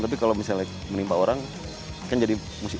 tapi kalau menimpa orang kan jadi bahaya tuh